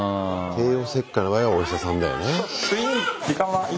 帝王切開の場合はお医者さんだよね。